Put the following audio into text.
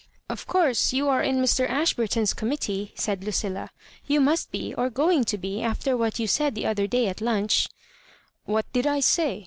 " Of course, you are on Mr. Ashburton^s com mittee." said Lucilla; "you must be, or going to be, after what you said the other day at lunch " "What did I say?"